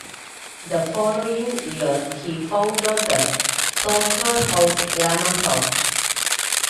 The following year, he founded the software house Llamasoft.